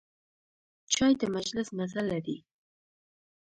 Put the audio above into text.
چای د مجلس مزه لري.